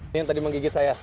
ini yang tadi menggigit saya